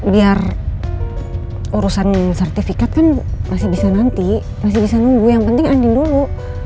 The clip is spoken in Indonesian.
biar urusan sertifikat kan masih bisa nanti masih bisa nunggu yang penting andin dulu